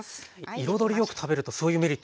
彩りよく食べるとそういうメリットもあるんですね。